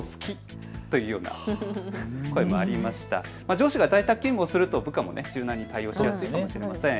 上司が在宅勤務をすると部下も柔軟に対応しやすいかもしれません。